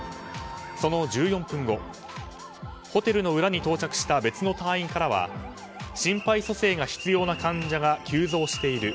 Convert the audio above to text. その１４分後、ホテルの裏に到着した別の隊員からは心肺蘇生が必要な患者が急増している。